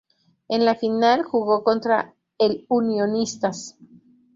En la final, jugó contra el Unionistas